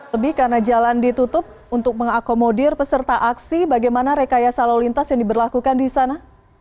lebih karena jalan ditutup untuk mengakomodir peserta aksi bagaimana rekayasa lalu lintas yang diberlakukan di sana